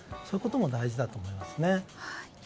そういうことも大事だと思います。